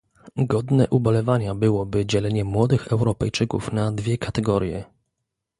Godne ubolewania byłoby dzielenie młodych Europejczyków na dwie kategorie